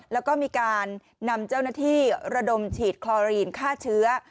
แล้วก็มีการนำเจ้าหน้าที่ระดมฉีดคลอรีนฆ่าเชื้อ